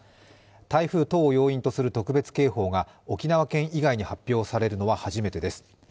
台風等を要因とする特別警報が沖縄県以外に発表されるのは初めてです。